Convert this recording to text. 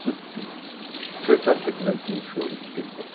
生産的な人生を生きていこうと。